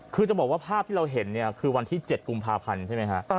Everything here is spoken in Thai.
คือจะบอกว่าภาพที่เราเห็นเนี่ยคือวันที่๗กุมภาพันธ์ใช่ไหมฮะ